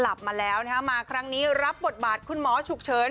กลับมาแล้วนะฮะมาครั้งนี้รับบทบาทคุณหมอฉุกเฉิน